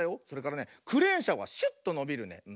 それからねクレーンしゃはシュッとのびるね。